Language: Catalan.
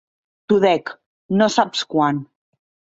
T'ho dec, no saps quant.